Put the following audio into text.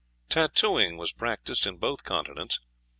Tattooing was practised in both continents.